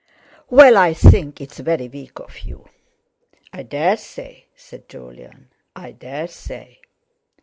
"Well, I think it's very weak of you." "I dare say," said Jolyon, "I dare say."